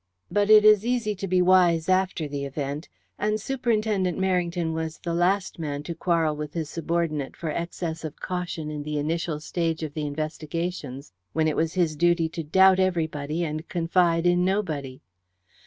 But it is easy to be wise after the event, and Superintendent Merrington was the last man to quarrel with his subordinate for excess of caution in the initial stage of the investigations, when it was his duty to doubt everybody and confide in nobody.